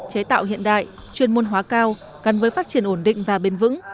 chế tạo hiện đại chuyên môn hóa cao gắn với phát triển ổn định và bền vững